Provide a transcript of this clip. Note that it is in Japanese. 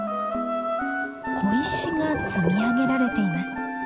小石が積み上げられています。